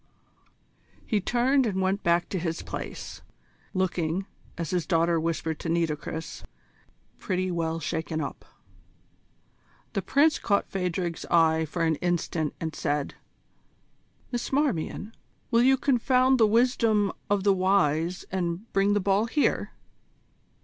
He turned and went back to his place, looking, as his daughter whispered to Nitocris, "pretty well shaken up." The Prince caught Phadrig's eye for an instant, and said: "Miss Marmion, will you confound the wisdom of the wise and bring the ball here?"